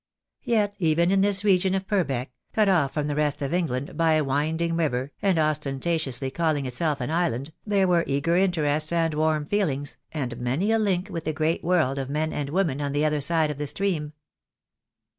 Yet even in this region of Purbeck, cut off from the rest of England by a wind ing river, and ostentatiously calling itself an island, there were eager interests and warm feelings, and many a link with the great world of men and women on the other side of the stream.